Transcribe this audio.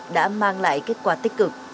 đã mang lại kết quả tích cực